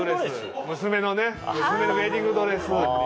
娘のウエディングドレス。